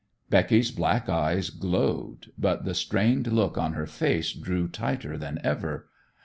Becky's black eyes glowed, but the strained look on her face drew tighter than ever.